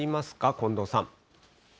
近藤さん。